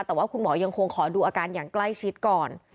แต่ว่าคุณหมอยังคงขอดูอาการอย่างใกล้ชิดก่อน